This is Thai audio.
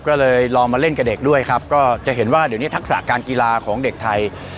ก็เลยลองมาเล่นกับเด็กด้วยครับก็จะเห็นว่าเดี๋ยวนี้ทักษะการกีฬาของเด็กไทย